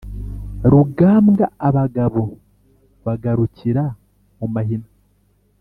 Rugambwa abagabo bagarukira mu mahina,